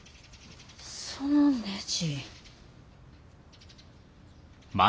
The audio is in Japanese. そのねじ。